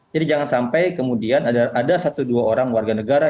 jadi jangan sampai kemudian ada satu dua orang warga negara